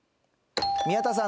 宮田さん